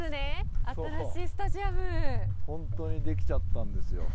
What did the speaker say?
本当にできちゃったんですよ。